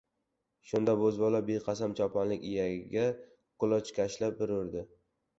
Shunda, bo‘zbola beqasam choponlik iyagiga qulochkashlab bir urdi.